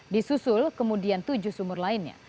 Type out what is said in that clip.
di susul kemudian tujuh sumur lainnya